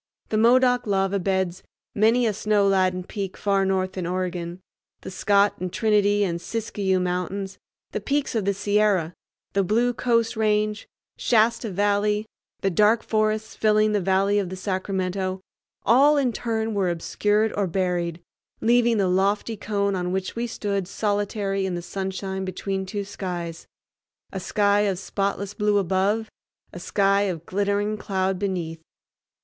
The Modoc Lava Beds, many a snow laden peak far north in Oregon, the Scott and Trinity and Siskiyou Mountains, the peaks of the Sierra, the blue Coast Range, Shasta Valley, the dark forests filling the valley of the Sacramento, all in turn were obscured or buried, leaving the lofty cone on which we stood solitary in the sunshine between two skies—a sky of spotless blue above, a sky of glittering cloud beneath.